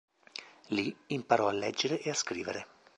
Lì imparò a leggere e a scrivere.